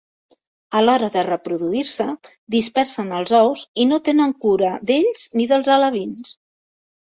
A l'hora de reproduir-se, dispersen els ous i no tenen cura d'ells ni dels alevins.